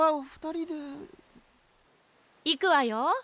いくわよ。